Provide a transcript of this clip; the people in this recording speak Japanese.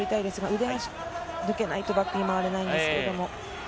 腕が抜けないとバックに回れないんですけれど。